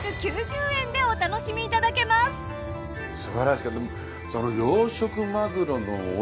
すばらしかった。